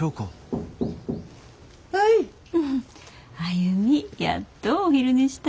歩やっとお昼寝した。